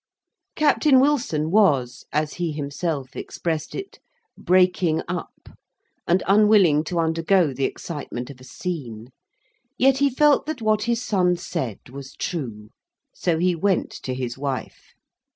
Captain Wilson was, as he himself expressed it, "breaking up," and unwilling to undergo the excitement of a scene; yet he felt that what his son said was true. So he went to his wife.